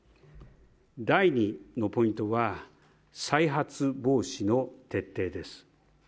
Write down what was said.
第２のポイントは、再発防止の徹底です。